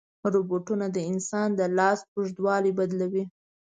روبوټونه د انسان د لاس اوږدوالی بدلوي.